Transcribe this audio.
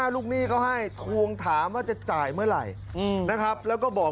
ดีเลยนะครับ